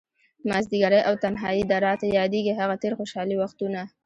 مازديګری او تنهائي ده، راته ياديږي هغه تير خوشحال وختونه